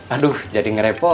aduh jadi ngerempet aku ya